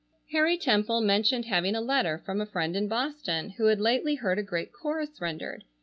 Harry Temple mentioned having a letter from a friend in Boston who had lately heard a great chorus rendered.